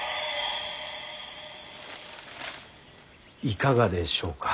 いかがでしょうか。